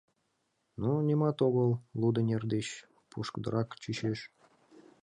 — Ну, нимат огыл, лудо нер деч пушкыдырак чучеш.